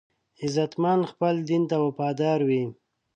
غیرتمند خپل دین ته وفادار وي